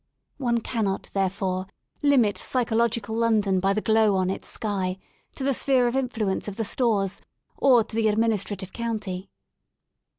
One cannot, therefore, limit psychological London by the glow on its sky, to the sphere of influence of the stores, or to the Administrative County.